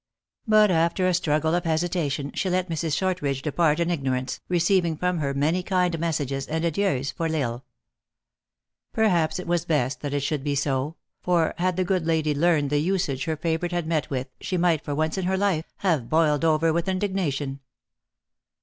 But after a struggle of hesitation, she let Mrs. Short ridge depart in ignorance, receiving from her many kind messages and adieus for L Isle. Perhaps it was best that it should be so ; for, had the good lady learned the usage her favorite had met with, she might, for once in her life, have boiled over with indignation.